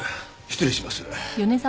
失礼します。